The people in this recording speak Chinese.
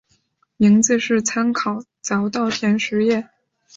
名字是参考早稻田实业。